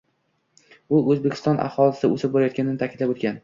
U O‘zbekiston aholisi o‘sib borayotgani ta’kidlab o‘tgan.